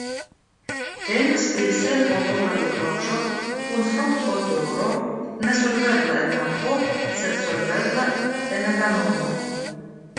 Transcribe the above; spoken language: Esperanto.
Temas pri senkolora likvaĵo kun fruktodoro nesolvebla en akvo sed solvebla en etanolo.